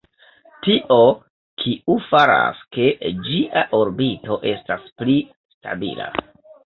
Tio, kiu faras, ke ĝia orbito estas pli stabila.